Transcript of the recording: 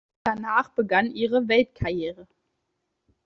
Danach begann ihre Weltkarriere.